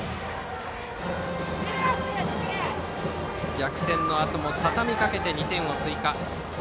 逆転のあともたたみかけて２点を追加。